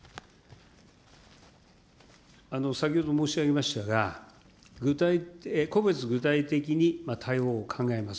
先ほど申し上げましたが、個別具体的に対応を考えます。